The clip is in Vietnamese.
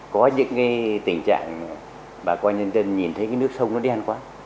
có những cái tình trạng bà con nhân dân nhìn thấy cái nước sông nó đen quá